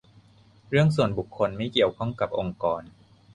"เรื่องส่วนบุคคล ไม่เกี่ยวข้องกับองค์กร"